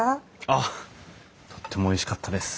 あっとってもおいしかったです。